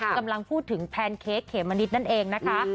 กำลังพูดถึงแพนเค้กเขมมะนิดนั่นเองนะคะ